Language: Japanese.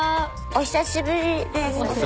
お久しぶりです。